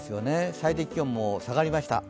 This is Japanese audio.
最低気温も下がりました。